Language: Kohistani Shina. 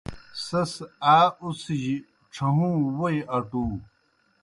سیْس آ اُڅِھجیْ ڇھہُوں ووئی اٹُو۔